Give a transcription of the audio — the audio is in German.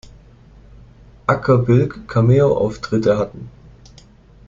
Acker Bilk Cameoauftritte hatten.